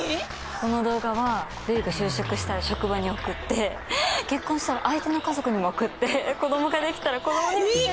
この動画は瑠衣が就職したら職場に送って結婚したら相手の家族にも送って子供ができたら子供にも。いい加減にしなさい！